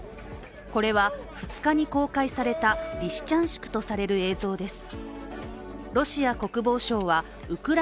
これは２日に公開されたリシチャンシクとされる映像です。